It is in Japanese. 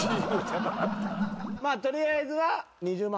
取りあえずは２０万